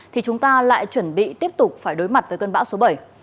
thì chúng ta lại chuẩn bị tiếp tục phải đối mặt với cơn bão số bảy